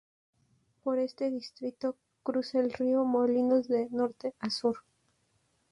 Por este distrito cruza el río Molinos de norte a sur.